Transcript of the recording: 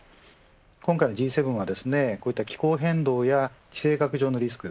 今回のＧ７は気候変動や地政学上のリスク